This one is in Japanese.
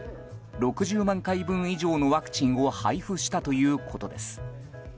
６０万回分以上のワクチンを配布したということです。